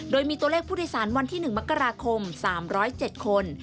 โดยมีตัวเลขผู้โดยสารวันที่๑มกราคม๓๐๗คน